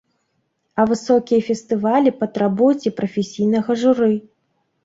А высокія фестывалі патрабуюць і прафесійнага журы.